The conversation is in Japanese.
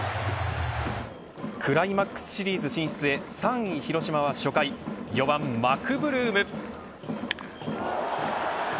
クライマックスシリーズ進出へ３位広島は初回４番マクブルーム。